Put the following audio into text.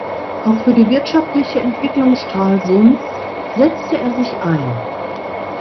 Auch für die wirtschaftliche Entwicklung Stralsunds setzte er sich ein.